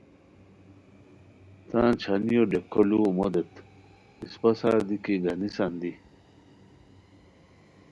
تان چھانیو ڈیکو ُ لوؤ مو دیت اِسپہ سار دی کی گانیسان دی